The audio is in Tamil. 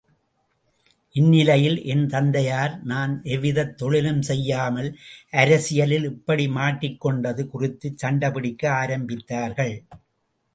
இந்நிலையில் என் தந்தையார் நான் எவ்விதத் தொழிலும் செய்யாமல் அரசியலில் இப்படி மாட்டிக்கொண்டது குறித்து சண்டை பிடிக்க ஆரம்பித்தார்கள்.